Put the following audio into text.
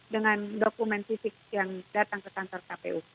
dengan dokumen fisik yang datang ke kantor kpu